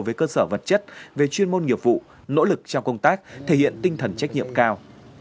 với cơ sở vật chất về chuyên môn nghiệp vụ nỗ lực trong công tác thể hiện tinh thần trách nhiệm cao